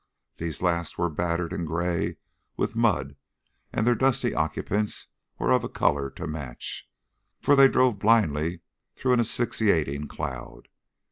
These last were battered and gray with mud, and their dusty occupants were of a color to match, for they drove blindly through an asphyxiating cloud.